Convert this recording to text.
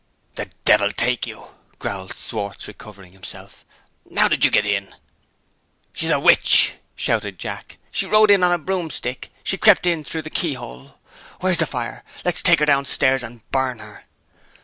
"The devil take you!" growled Schwartz, recovering himself. "How did you get in?" "She's a witch!" shouted Jack. "She rode in on a broomstick she crept in through the keyhole. Where's the fire? Let's take her downstairs, and burn her!"